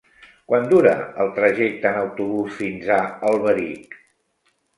Quant dura el trajecte en autobús fins a Alberic?